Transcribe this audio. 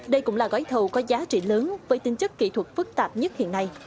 đây cũng là gói thầu có giá trị lớn với tính chất kỹ thuật phức tạp nhất hiện nay